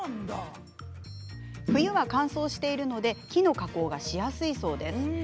冬は乾燥しているので木の加工がしやすいそうです。